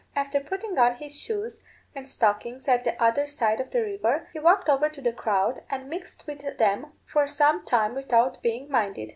After putting on his shoes and stockings at the other side of the river he walked over to the crowd, and mixed with them for some time without being minded.